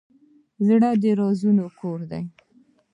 زړه د رازونو کور دی.